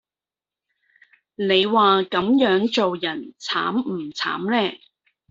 你話咁樣做人慘唔慘呢